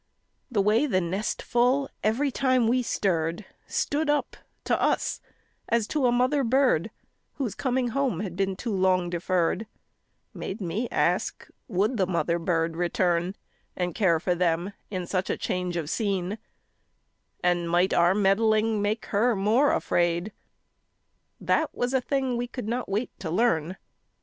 The way the nest full every time we stirred Stood up to us as to a mother bird Whose coming home has been too long deferred, Made me ask would the mother bird return And care for them in such a change of scene And might our meddling make her more afraid. That was a thing we could not wait to learn.